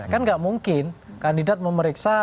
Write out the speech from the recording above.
kan nggak mungkin kandidat memeriksa